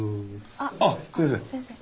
あっ先生。